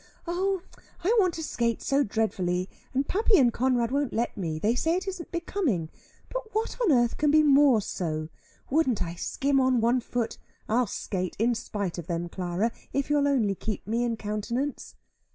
"Oh I want to skate, so dreadfully. And Pappy and Conrad won't let me. They say it isn't becoming. But what on earth can be more so? Wouldn't I skim on one foot? I'll skate, in spite of them, Clara, if you'll only keep me in countenance."